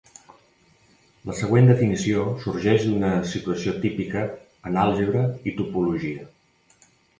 La següent definició sorgeix d'una situació típica en àlgebra i topologia.